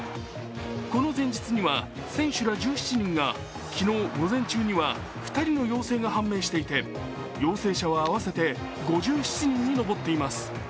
この前日には選手ら１７人が昨日午前中には２人の陽性が判明していて陽性者は合わせて５７人に上っています。